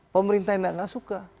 pemerintahan tidak suka